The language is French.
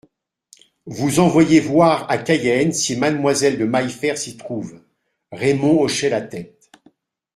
Vous envoyer voir à Cayenne si Mademoiselle de Maillefert s'y trouve … Raymond hochait la tête.